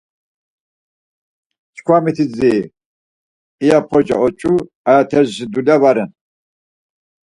Çkva miti dziri, iya porçaşi oç̆u aya terzişi dulya va ren.